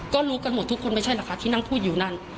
ก็รู้กันหมดทุกคนไม่ใช่เหรอคะที่นั่งพูดอยู่นั่น